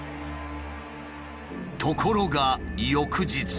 ところが翌日。